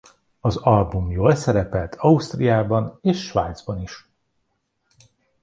Az album jól szerepelt Ausztriában és Svájcban is.